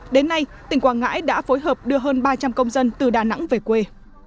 đến nay tỉnh quảng ngãi đã phối hợp đưa hơn ba trăm linh công dân từ đà nẵng về quê